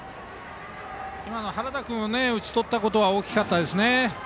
原田君を打ち取ったことは大きいですね。